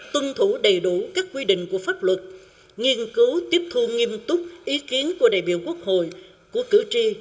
tuân thủ đầy đủ các quy định của pháp luật nghiên cứu tiếp thu nghiêm túc ý kiến của đại biểu quốc hội của cử tri